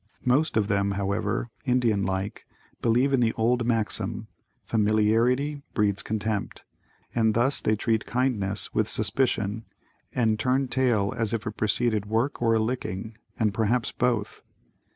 Most of them, however, Indian like, believe in the old maxim "Familiarity breeds contempt" and thus they treat kindness with suspicion and turn tail as if it preceded work or a licking and perhaps both.